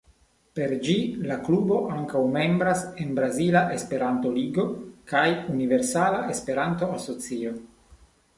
Per ĝi la klubo ankaŭ membras en Brazila Esperanto-Ligo kaj Universala Esperanto-Asocio.